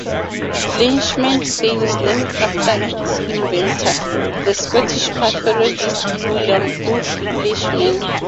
Leishman stain is named after its inventor, the Scottish pathologist William Boog Leishman.